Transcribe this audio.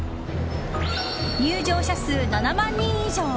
入場者数７万人以上。